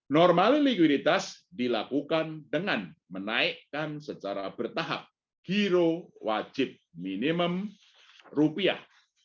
normalin likuiditas dilakukan dengan menaikkan secara bertahap giro wajib minimum rupiah